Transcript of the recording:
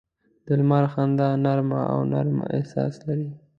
د لمر خندا نرمه او نرم احساس لري